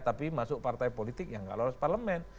tapi masuk partai politik yang nggak lolos parlemen